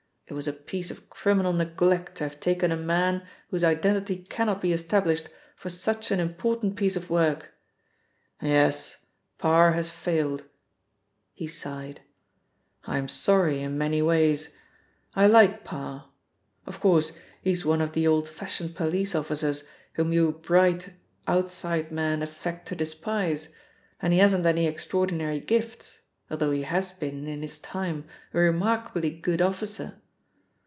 "It was a piece of criminal neglect to have taken a man whose identity cannot be established for such an important piece of work. Yes, Parr has failed." He sighed. "I am sorry, in many ways. I like Parr. Of course, he's one of the old fashioned police officers whom you bright outside men affect to despise, and he hasn't any extraordinary gifts, although he has been, in his time, a remarkably good officer.